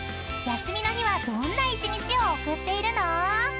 ［休みの日はどんな一日を送っているの？］